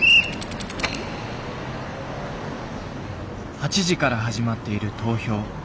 ８時から始まっている投票。